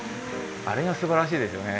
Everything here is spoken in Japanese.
あれがすばらしいですよね。